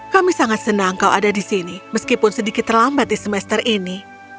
kami sangat senang kau ada di sini meskipun sedikit terlambat di semester ini